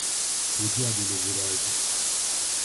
Au diable le volage!